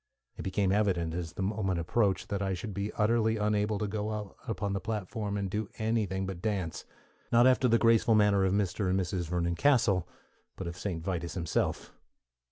It became evident as the moment approached that I should be utterly unable to go out upon the platform and do anything but dance: not after the graceful manner of Mr. and Mrs. Vernon Castle, but of Saint Vitus himself.